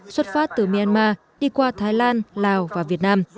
xuất phát từ myanmar đi qua thái lan lào và việt nam